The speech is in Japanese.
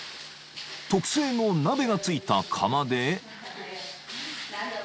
［特製の鍋が付いた窯で］